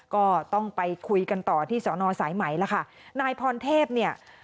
ก็ต้องไปคุยกันต่อที่สอนอสายไหมล่ะค่ะนายพรเทพเนี่ย